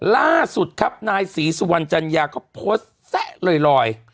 ล่าสุดครับนายศรีสุวรรณจัญญาก็โพสต์แซะลอย